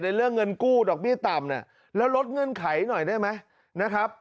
เรื่องเงินกู้ดอกเบี้ยต่ำเนี่ยแล้วลดเงื่อนไขหน่อยได้ไหมนะครับ